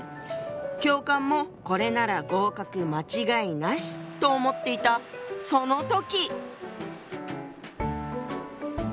教官もこれなら合格間違いなしと思っていたその時！